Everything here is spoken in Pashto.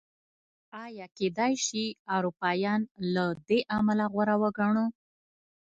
ایا کېدای شي اروپایان له دې امله غوره وګڼو؟